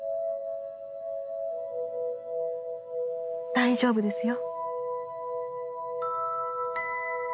大丈夫ですよ。